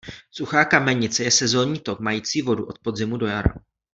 Suchá Kamenice je sezónní tok mající vodu od podzimu do jara.